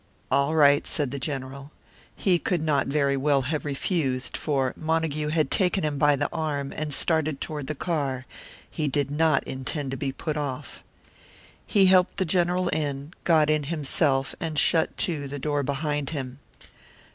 "All right," said the General. He could not very well have refused, for Montague had taken him by the arm and started toward the car; he did not intend to be put off. He helped the General in, got in himself, and shut to the door behind him.